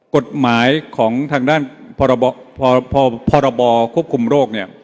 กฎหมายของทางด้านพรบควบคุมโรคเนี่ย